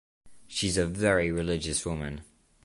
She’s a very religious woman.